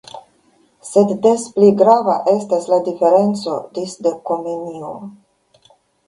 Sed des pli grava estas la diferenco disde Komenio.